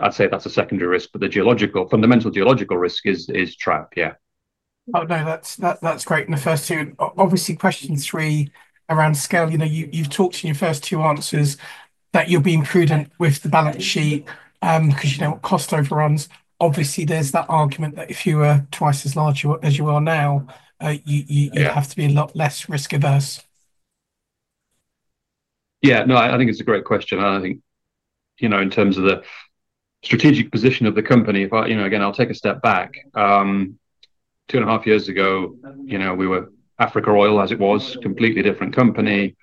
I'd say that's a secondary risk. The geological, fundamental geological risk is trap. Yeah. Oh, no, that's great. In the first two. Obviously, question three, around scale. You know, you've talked in your first two answers that you're being prudent with the balance sheet, 'cause you don't want cost overruns. Obviously, there's that argument that if you were twice as large as you are now. Yeah... you have to be a lot less risk-averse. No, I think it's a great question. I think, you know, in terms of the strategic position of the company. You know, again, I'll take a step back. 2 and a half years ago, you know, we were Africa Oil, as it was, completely different company,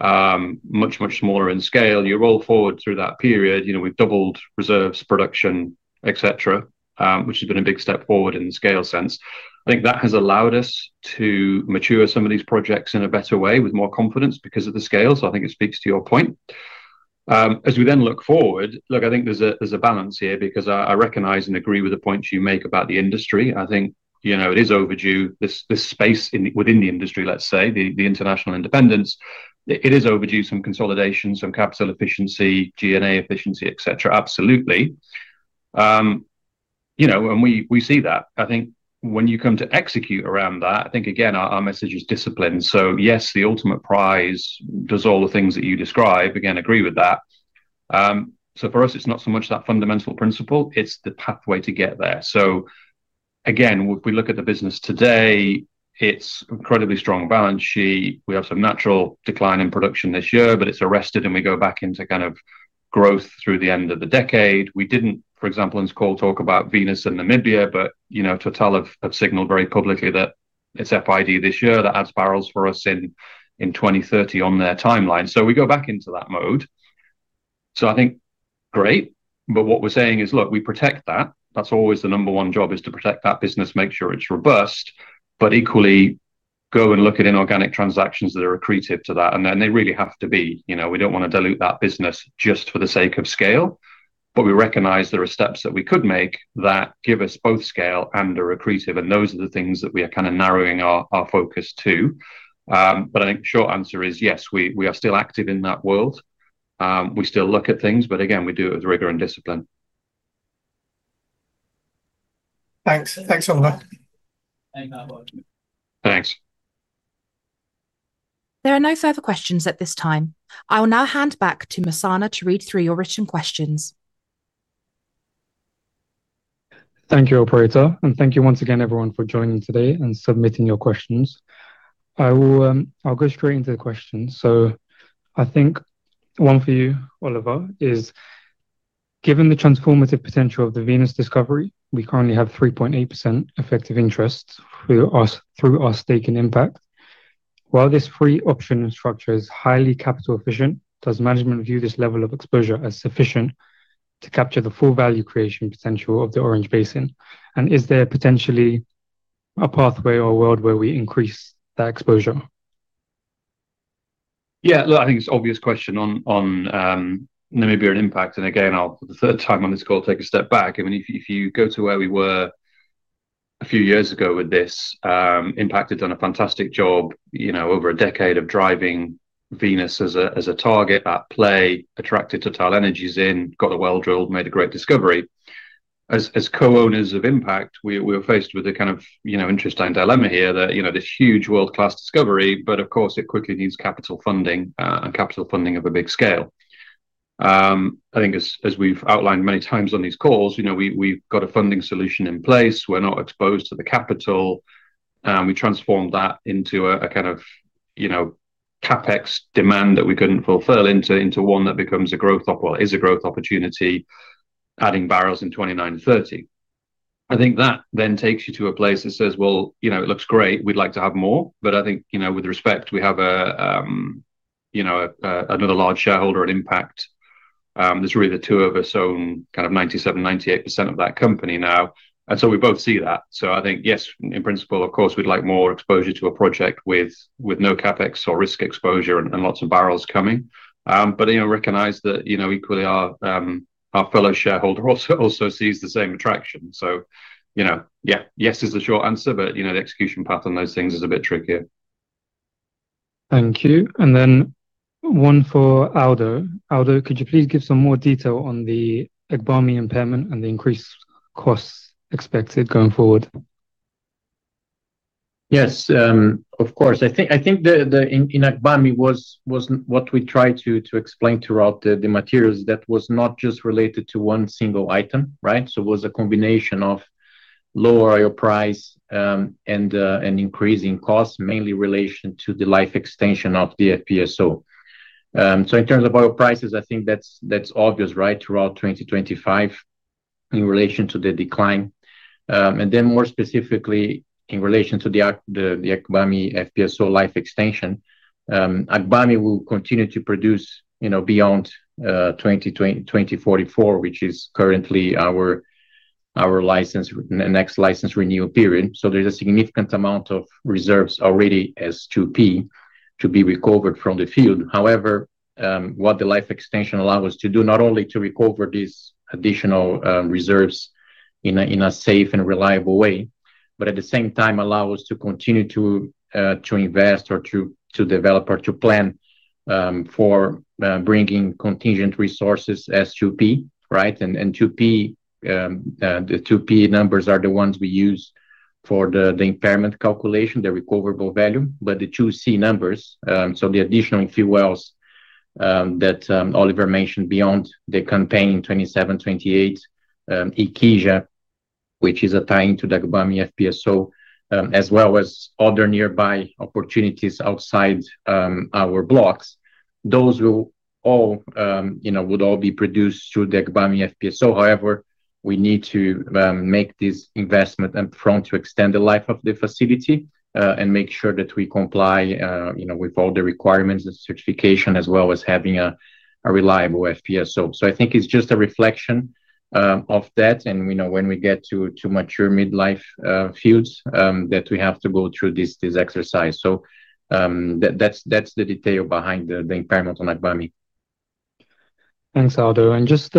much smaller in scale. You roll forward through that period, you know, we've doubled reserves, production, et cetera, which has been a big step forward in the scale sense. I think that has allowed us to mature some of these projects in a better way, with more confidence because of the scale. I think it speaks to your point. As we then look forward, look, I think there's a balance here because I recognize and agree with the points you make about the industry. I think, you know, it is overdue, this space within the industry, let's say, the international independence, it is overdue, some consolidation, some capital efficiency, G&A efficiency, et cetera. Absolutely. You know, we see that. I think when you come to execute around that, I think, again, our message is discipline. Yes, the ultimate prize does all the things that you describe. Again, agree with that. For us, it's not so much that fundamental principle, it's the pathway to get there. Again, if we look at the business today, it's incredibly strong balance sheet. We have some natural decline in production this year, but it's arrested, and we go back into kind of growth through the end of the decade. We didn't, for example, in this call, talk about Venus and Namibia. You know, TotalEnergies have signaled very publicly that it's FID this year. That adds barrels for us in 2030 on their timeline. I think, great, but what we're saying is, look, we protect that. That's always the number one job, is to protect that business, make sure it's robust, but equally go and look at inorganic transactions that are accretive to that. They really have to be. You know, we don't wanna dilute that business just for the sake of scale. We recognize there are steps that we could make that give us both scale and are accretive. Those are the things that we are kinda narrowing our focus to. I think short answer is, yes, we are still active in that world. We still look at things, but again, we do it with rigor and discipline. Thanks. Thanks, Oliver. Thank you very much. Thanks. There are no further questions at this time. I will now hand back to Mussanah to read through your written questions. Thank you, operator. Thank you once again, everyone, for joining today and submitting your questions. I will, I'll go straight into the questions. I think one for you, Oliver, is: Given the transformative potential of the Venus discovery, we currently have 3.8% effective interest through our stake in Impact. While this free option structure is highly capital efficient, does management view this level of exposure as sufficient to capture the full value creation potential of the Orange Basin? Is there potentially a pathway or world where we increase that exposure? Yeah, look, I think it's an obvious question on Namibia and Impact. Again, I'll, for the third time on this call, take a step back. I mean, if you go to where we were a few years ago with this, Impact had done a fantastic job, you know, over a decade of driving Venus as a, as a target at play, attracted TotalEnergies in, got the well drilled, made a great discovery. As co-owners of Impact, we were faced with a kind of, you know, interesting dilemma here, that, you know, this huge world-class discovery, but of course, it quickly needs capital funding and capital funding of a big scale. I think as we've outlined many times on these calls, you know, we've got a funding solution in place. We're not exposed to the capital. We transformed that into a kind of, you know, CapEx demand that we couldn't fulfill into one that is a growth opportunity, adding barrels in 2029-2030. I think that then takes you to a place that says, "Well, you know, it looks great. We'd like to have more." I think, you know, with respect, we have, you know, another large shareholder at Impact. There's really the two of us, so kind of 97%-98% of that company now. We both see that. I think, yes, in principle, of course, we'd like more exposure to a project with no CapEx or risk exposure and lots of barrels coming. You know, recognize that, you know, equally, our fellow shareholder also sees the same attraction. You know, yeah. Yes is the short answer, but, you know, the execution path on those things is a bit trickier. Thank you. One for Aldo. Aldo, could you please give some more detail on the Agbami impairment and the increased costs expected going forward? Yes, of course. I think the In Agbami was what we tried to explain throughout the materials, that was not just related to one single item, right? It was a combination of lower oil price and increasing costs, mainly in relation to the life extension of the FPSO. In terms of oil prices, I think that's obvious, right? Throughout in relation to the decline, and more specifically in relation to the Agbami FPSO life extension, Agbami will continue to produce, you know, beyond 2044, which is currently our license, next license renewal period. There's a significant amount of reserves already as 2P to be recovered from the field. What the life extension allow us to do, not only to recover these additional reserves in a safe and reliable way, but at the same time, allow us to continue to invest or to develop or to plan for bringing contingent resources as 2P, right? The 2P numbers are the ones we use for the impairment calculation, the recoverable value, but the 2C numbers, so the additional infill wells that Oliver mentioned beyond the campaign in 2027, 2028, Ikija, which is a tie-in to the Agbami FPSO, as well as other nearby opportunities outside our blocks. Those will all, you know, would all be produced through the Agbami FPSO. We need to make this investment up front to extend the life of the facility, and make sure that we comply, you know, with all the requirements and certification, as well as having a reliable FPSO. I think it's just a reflection of that, and we know when we get to mature mid-life fields, that we have to go through this exercise. That's the detail behind the impairment on Agbami. Thanks, Aldo, and just,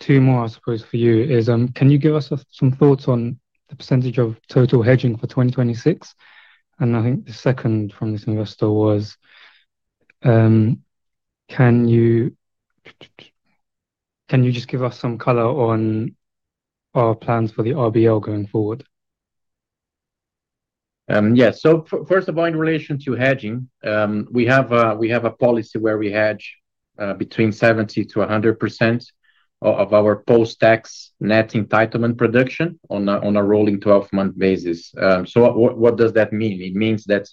two more, I suppose, for you is, can you give us some thoughts on the percentage of total hedging for 2026? I think the second from this investor was, can you just give us some color on our plans for the RBL going forward? First of all, in relation to hedging, we have a policy where we hedge between 70%-100% of our post-tax net entitlement production on a rolling 12-month basis. What does that mean? It means that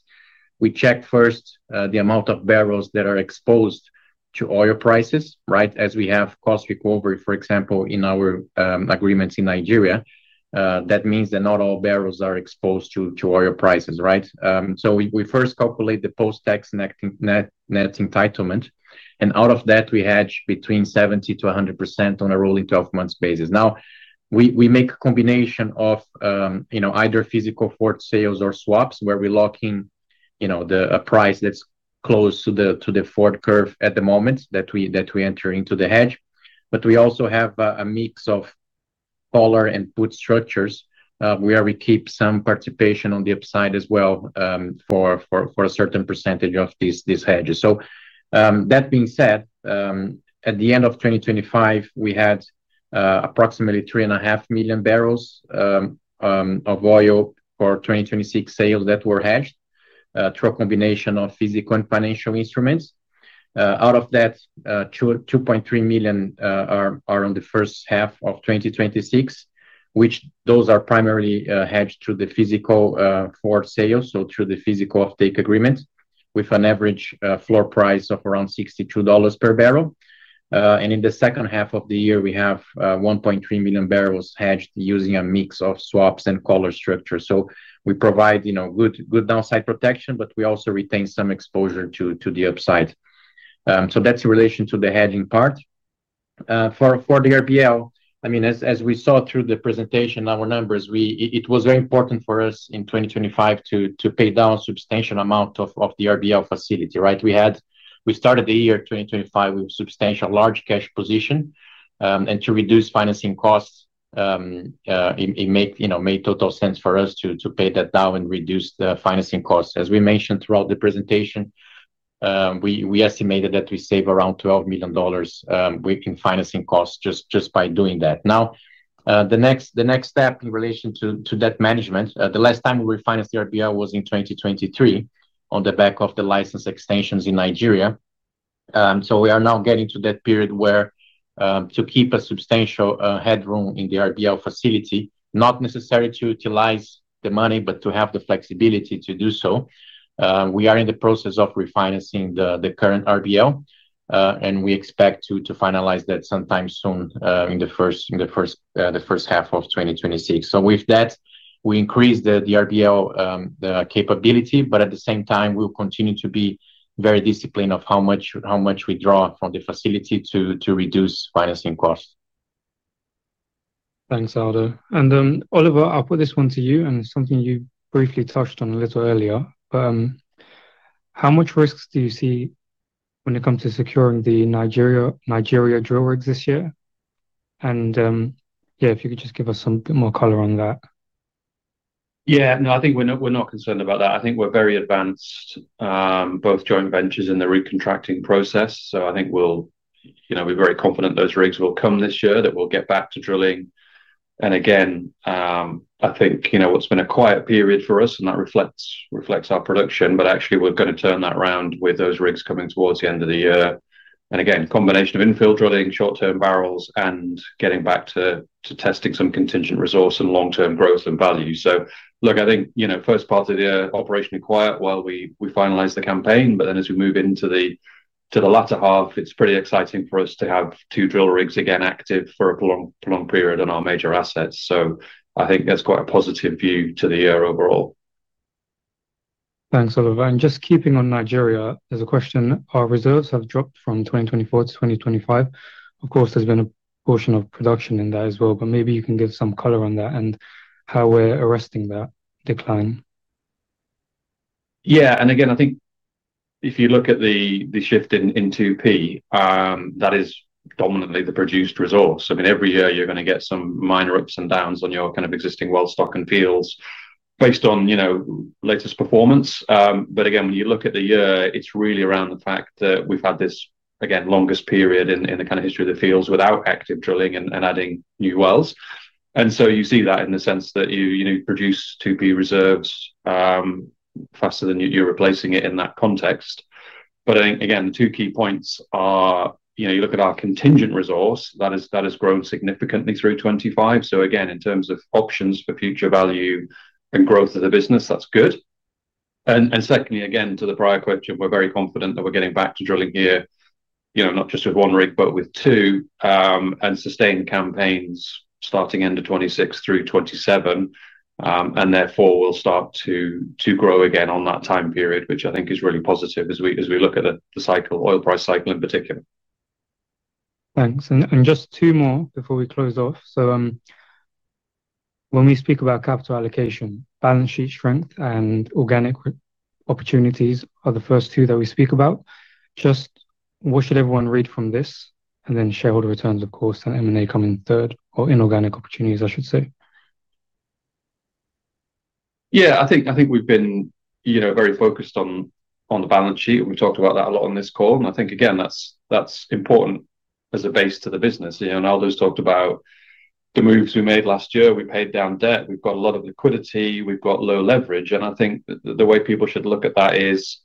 we check first the amount of barrels that are exposed to oil prices, right? As we have cost recovery, for example, in our agreements in Nigeria. That means that not all barrels are exposed to oil prices, right? We first calculate the post-tax net entitlement, and out of that, we hedge between 70%-100% on a rolling 12-month basis. We make a combination of, you know, either physical forward sales or swaps, where we lock in, you know, a price that's close to the forward curve at the moment that we enter into the hedge. We also have a mix of collar and put structures, where we keep some participation on the upside as well, for a certain percentage of these hedges. That being said, at the end of 2025, we had approximately 3.5 million barrels of oil for 2026 sales that were hedged through a combination of physical and financial instruments. Out of that, 2.3 million are on the first half of 2026, which those are primarily hedged through the physical forward sales, so through the physical offtake agreement, with an average floor price of around $62 per barrel. In the second half of the year, we have 1.3 million barrels hedged using a mix of swaps and collar structures. We provide, you know, good downside protection, but we also retain some exposure to the upside. That's in relation to the hedging part. For the RBL, I mean, as we saw through the presentation, our numbers, it was very important for us in 2025 to pay down a substantial amount of the RBL facility, right? We had... We started the year 2025 with substantial large cash position. To reduce financing costs, it, you know, made total sense for us to pay that down and reduce the financing costs. As we mentioned throughout the presentation, we estimated that we save around $12 million, we in financing costs just by doing that. The next step in relation to debt management, the last time we refinanced the RBL was in 2023, on the back of the license extensions in Nigeria. We are now getting to that period where to keep a substantial headroom in the RBL facility, not necessary to utilize the money, but to have the flexibility to do so. We are in the process of refinancing the current RBL. We expect to finalize that sometime soon in the first half of 2026. With that, we increase the RBL capability. At the same time, we'll continue to be very disciplined of how much we draw from the facility to reduce financing costs. Thanks, Aldo. Oliver, I'll put this one to you, and it's something you briefly touched on a little earlier. How much risks do you see when it comes to securing the Nigeria drill rigs this year? Yeah, if you could just give us some more color on that. Yeah. No, I think we're not, we're not concerned about that. I think we're very advanced, both joint ventures in the recontracting process. I think we'll, you know, we're very confident those rigs will come this year, that we'll get back to drilling. I think, you know, what's been a quiet period for us, and that reflects our production, but actually, we're gonna turn that round with those rigs coming towards the end of the year. Combination of infill drilling, short-term barrels, and getting back to testing some contingent resource and long-term growth and value. Look, I think, you know, first part of the year, operationally quiet while we finalize the campaign, but then as we move into the latter half, it's pretty exciting for us to have two drill rigs again active for a prolonged period on our major assets. I think that's quite a positive view to the year overall. Thanks, Oliver. Just keeping on Nigeria, there's a question, our reserves have dropped from 2024 to 2025. Of course, there's been a portion of production in that as well, but maybe you can give some color on that and how we're arresting that decline. Yeah, again, I think if you look at the shift in 2P, that is dominantly the produced resource. I mean, every year you're gonna get some minor ups and downs on your kind of existing well stock and fields based on, you know, latest performance. Again, when you look at the year, it's really around the fact that we've had this, again, longest period in the kind of history of the fields without active drilling and adding new wells. You see that in the sense that you know, produce 2P reserves faster than you're replacing it in that context. I think, again, the two key points are, you know, you look at our contingent resource, that has grown significantly through 25. Again, in terms of options for future value and growth of the business, that's good. Secondly, again, to the prior question, we're very confident that we're getting back to drilling here, you know, not just with one rig, but with two, and sustained campaigns starting end of 2026 through 2027. Therefore, we'll start to grow again on that time period, which I think is really positive as we, as we look at the cycle, oil price cycle in particular. Thanks. Just two more before we close off. When we speak about capital allocation, balance sheet strength and organic opportunities are the first two that we speak about. Just what should everyone read from this? Shareholder returns, of course, and M&A coming third, or inorganic opportunities, I should say. Yeah, I think we've been, you know, very focused on the balance sheet, and we talked about that a lot on this call. I think, again, that's important as a base to the business. You know, Aldo's talked about the moves we made last year. We paid down debt. We've got a lot of liquidity. We've got low leverage. I think the way people should look at that is,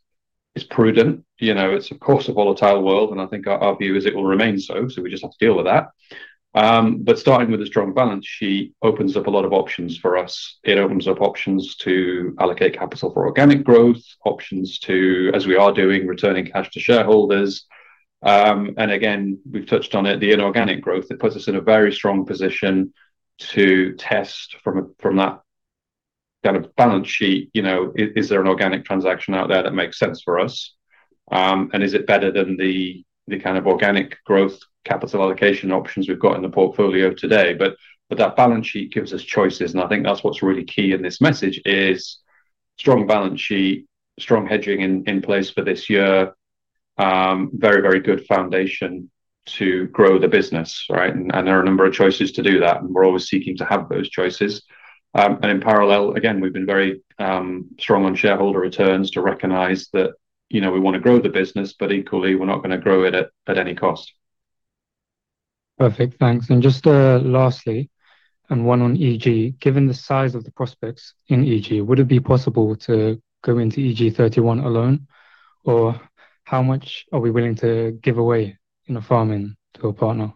it's prudent. You know, it's of course, a volatile world, and I think our view is it will remain so we just have to deal with that. Starting with a strong balance sheet opens up a lot of options for us. It opens up options to allocate capital for organic growth, options to, as we are doing, returning cash to shareholders. Again, we've touched on it, the inorganic growth, it puts us in a very strong position to test from that kind of balance sheet, you know, is there an organic transaction out there that makes sense for us? Is it better than the kind of organic growth capital allocation options we've got in the portfolio today? That balance sheet gives us choices, and I think that's what's really key in this message, is strong balance sheet, strong hedging in place for this year, very, very good foundation to grow the business, right? There are a number of choices to do that, and we're always seeking to have those choices. In parallel, again, we've been very strong on shareholder returns to recognize that, you know, we wanna grow the business, but equally, we're not gonna grow it at any cost. Perfect, thanks. Just, lastly, and one on EG. Given the size of the prospects in EG, would it be possible to go into EG-31 alone? How much are we willing to give away in a farming to a partner?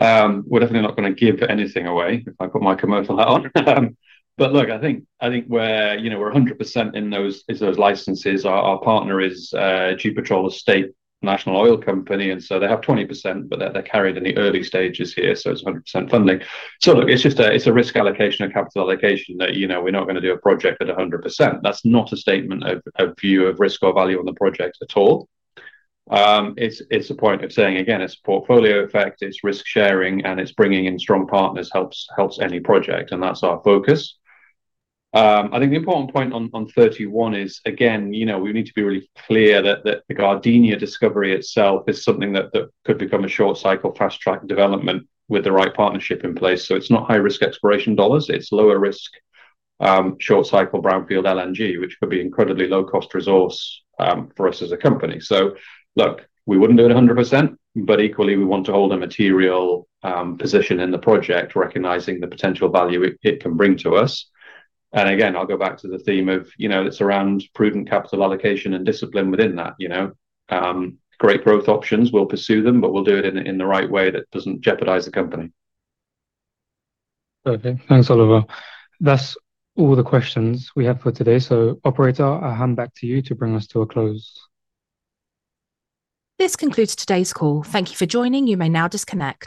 We're definitely not gonna give anything away, if I put my commercial hat on. I think we're, you know, we're 100% in those, in those licenses. Our partner is GEPetrol, the state national oil company, they have 20%, but they're carried in the early stages here, so it's 100% funding. Look, it's just a risk allocation and capital allocation that, you know, we're not gonna do a project at 100%. That's not a statement of, a view of risk or value on the project at all. It's a point of saying, again, it's portfolio effect, it's risk-sharing, and it's bringing in strong partners helps any project, and that's our focus. I think the important point on 31 is, again, you know, we need to be really clear that the Gardenia discovery itself is something that could become a short-cycle, fast-track development with the right partnership in place. It's not high-risk exploration dollars, it's lower risk, short cycle, brownfield LNG, which could be incredibly low-cost resource for us as a company. Look, we wouldn't do it 100%, but equally, we want to hold a material position in the project, recognizing the potential value it can bring to us. Again, I'll go back to the theme of, you know, it's around prudent capital allocation and discipline within that, you know. Great growth options, we'll pursue them, but we'll do it in the right way that doesn't jeopardize the company. Okay. Thanks, Oliver. That's all the questions we have for today. Operator, I'll hand back to you to bring us to a close. This concludes today's call. Thank you for joining. You may now disconnect.